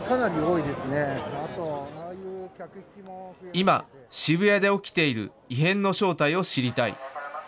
今、渋谷で起きている異変の正体を知りたい。